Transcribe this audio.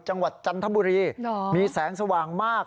จังหวัดจันทบุรีมีแสงสว่างมาก